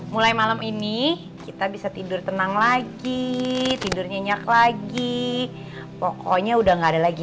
mulai malam ini kita bisa tidur tenang lagi tidur nyenyak lagi pokoknya udah gak ada lagi